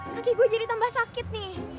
kaki gue jadi tambah sakit nih